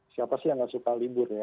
siapa sih yang gak suka libur ya